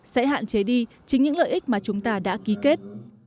sẽ hạn chế đi chính những lợi ích mà chúng ta đã ký kết